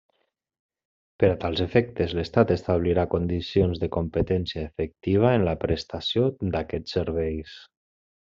Per a tals efectes, l'Estat establirà condicions de competència efectiva en la prestació d'aquests serveis.